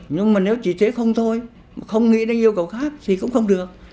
nhưng mà nếu chỉ thế không thôi không nghĩ đến yêu cầu khác thì cũng không được